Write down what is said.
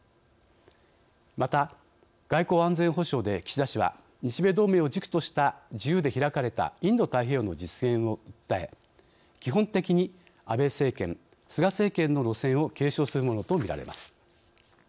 また、外交・安全保障で岸田氏は、日米同盟を軸とした自由で開かれたインド太平洋の実現を訴え、基本的に安倍政権・菅政権の路線を継承するものとみられます。